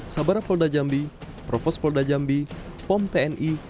sabara polda jambi provos polda jambi pom tni